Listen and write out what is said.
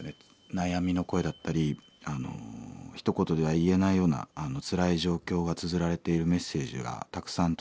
悩みの声だったりひと言では言えないようなつらい状況がつづられているメッセージがたくさん届いております。